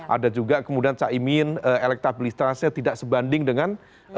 ada juga kemudian caimin elektabilitasnya tidak sebanding dengan